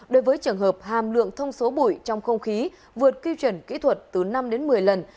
đối với trường hợp hàm lượng thông số bụi trong không khí vượt quy chuẩn kỹ thuật từ năm đến một mươi lần